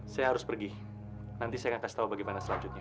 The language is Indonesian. saya harus pergi nanti saya akan kasih tahu bagaimana selanjutnya